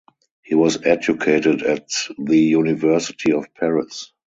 He was educated at the University of Paris.